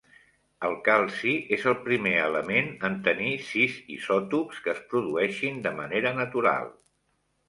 El calci és el primer element en tenir sis isòtops que es produeixin de manera natural.